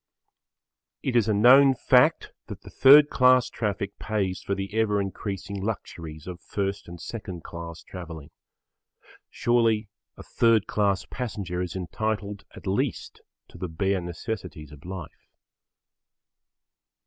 It is a known fact that the third class traffic pays for the ever increasing luxuries of first and second class travelling. Surely a third class passenger is entitled at least to the bare necessities of life.